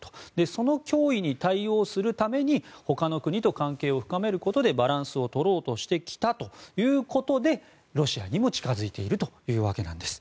その脅威に対応するために他の国と関係を深めることでバランスを取ろうとしてきたということでロシアにも近づいているというわけです。